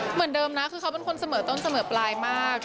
เหมือนเดิมนะคือเขาเป็นคนเสมอต้นเสมอปลายมาก